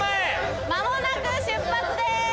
間もなく出発です。